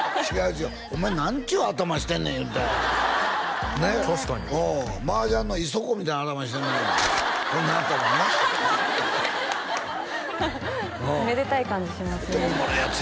違うお前何ちゅう頭してんねん言うてねっ確かにマージャンのイソコみたいな頭にしてんなこんな頭なハハッめでたい感じしますねでもおもろいヤツ